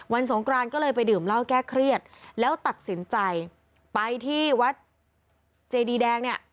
สงกรานก็เลยไปดื่มเหล้าแก้เครียดแล้วตัดสินใจไปที่วัดเจดีแดงเนี่ย